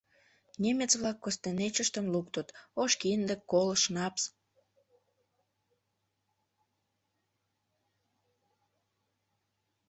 Немец-влак костенечыштым луктыт: ош кинде, кол, шнапс.